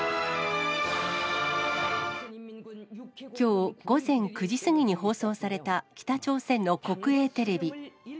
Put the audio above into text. きょう午前９時過ぎに放送された北朝鮮の国営テレビ。